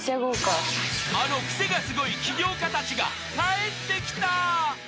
［あのクセがスゴい起業家たちが帰ってきた］